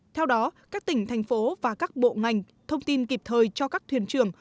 theo đó các tỉnh thành phố và các bộ ngành thông tin kịp thời cho các thuyền trường